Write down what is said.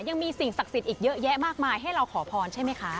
ยังมีสิ่งศักดิ์สิทธิ์อีกเยอะแยะมากมายให้เราขอพรใช่ไหมคะ